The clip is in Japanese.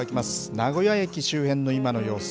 名古屋駅周辺の今の様子。